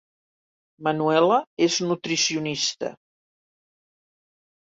Manuela és nutricionista